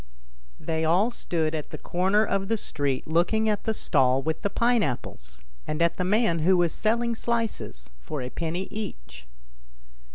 THEY all stood at the corner of the street looking at the stall with the pine apples, and at the man who was selling slices for a penny each.